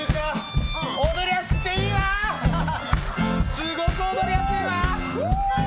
すごく踊りやすいわ！